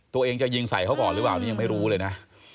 ตัวเองจะยิงใส่เขาก่อนหรือเปล่านี่ยังไม่รู้เลยนะ